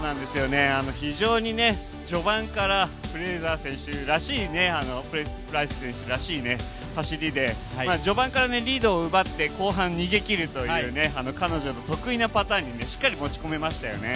非常に序盤からフレイザー選手らしい走りで、序盤からリードを奪って後半逃げきるという彼女の得意なパターンに持ち込めましたよね。